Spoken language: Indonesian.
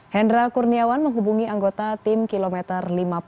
hendra kurniawan menghubungi anggota tim kilometer lima puluh